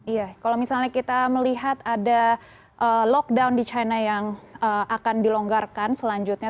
iya kalau misalnya kita melihat ada lockdown di china yang akan dilonggarkan selanjutnya